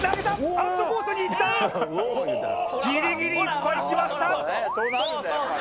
アウトコースにいったギリギリいっぱいいきました